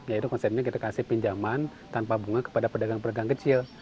yaitu konsepnya kita kasih pinjaman tanpa bunga kepada pedagang pedagang kecil